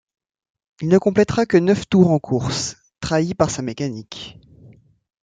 Il ne complétera que neuf tours en course, trahit par sa mécanique.